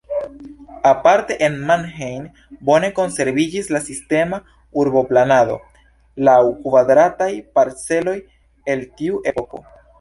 Aparte en Mannheim bone konserviĝis la sistema urboplanado laŭ kvadrataj parceloj el tiu epoko.